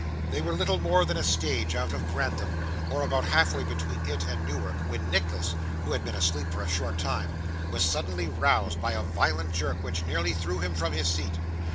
They were little more than a stage out of Grantham, or about halfway between it and Newark, when Nicholas, who had been asleep for a short time, was suddenly roused by a violent jerk which nearly threw him from his seat.